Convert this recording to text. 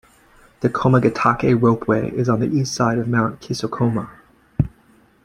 The Komagatake Ropeway is on the east side of Mount Kisokoma.